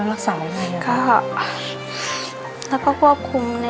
พวกผักทอดยอดอะไรพวกนี้ก็ห้ามเลยเถอะครับใช่ไหมแม่